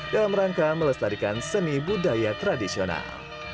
dalam rangka melestarikan seni budaya tradisional